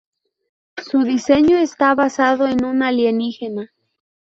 Su diseño está basado en un alienígena.